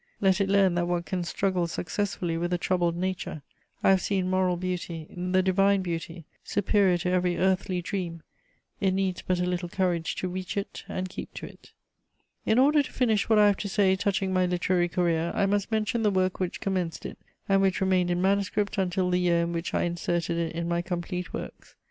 Let it learn that one can struggle successfully with a troubled nature; I have seen moral beauty, the divine beauty, superior to every earthly dream: it needs but a little courage to reach it and keep to it. In order to finish what I have to say touching my literary career, I must mention the work which commenced it, and which remained in manuscript until the year in which I inserted it in my Complete Works.